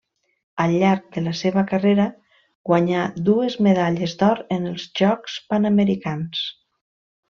Al llarg de la seva carrera guanyà dues medalles d'or en els Jocs Panamericans.